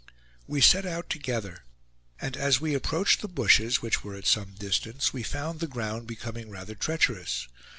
We set out together; and as we approached the bushes, which were at some distance, we found the ground becoming rather treacherous.